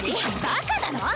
バカなの⁉